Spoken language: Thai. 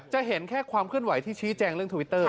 จะเห็นแค่ความเคลื่อนไหวที่ชี้แจงเรื่องทวิตเตอร์